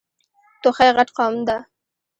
توخی غټ قوم ده.